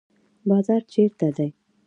بازار چیرته دی؟